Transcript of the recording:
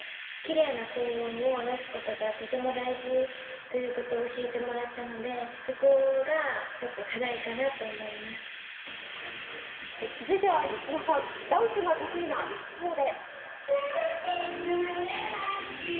きれいな高音を出すことがとても大事ということを教えてもらったので、そこがちょっと課題か続いてはユキノさん、ダンスが得意な一方で。